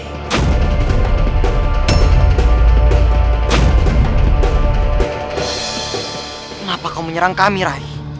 kenapa kamu menyerang kami rai